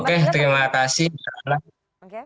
oke terima kasih mbak ala